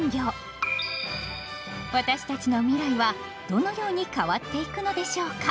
私たちの未来はどのように変わっていくのでしょうか？